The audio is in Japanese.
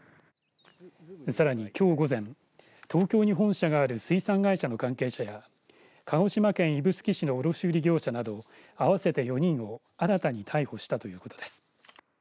さらに、きょう午前、東京に本社がある水産会社の関係者や鹿児島県指宿市の卸売業者など合わせて４人を新たに逮捕したということです。